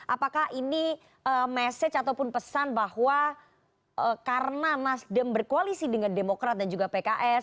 apakah ini message ataupun pesan bahwa karena nasdem berkoalisi dengan demokrat dan juga pks